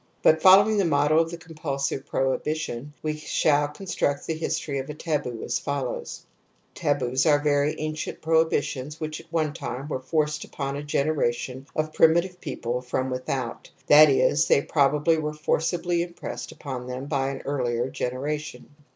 But following the model of the compulsive prohibi tion we shall construct the history of taboo as* I follows : Taboos are very ancient prohibitions which at one time were forced upon a generation of primitive people from without, that is, they THE AMBIVALENCE OF EMOTIONS 53 probably were forcibly impressed upon them by an earlier generation.